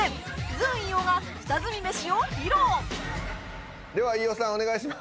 ずん飯尾が下積みメシを披露では飯尾さんお願いします！